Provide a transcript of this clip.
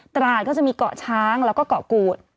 ตราดก็จะมีเกาะช้างแล้วก็เกาะกูด